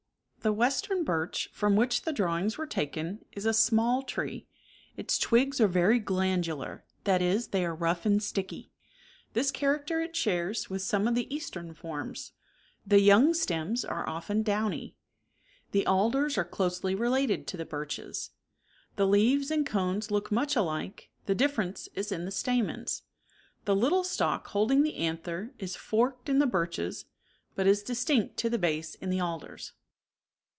The western birch, from which the drawings were taken, is a small tree, its twigs are very glandu lar, that is, they are rough and sticky. This char acter it shares with some of the eastern forms. The young stems are often downy. The alders are closely related to the birches. The leaves and cones look much alike, the differ ence is in the stamens. The little stalk holding the 54 anther is forked in the birches, but is distinct to the base in the alders.